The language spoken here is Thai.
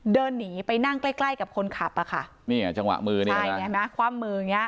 เดินหนีไปนั่งใกล้ใกล้กับคนขับป่ะค่ะนี่อ่ะจังหวะมือนี่ค่ะใช่อย่างงี้นะ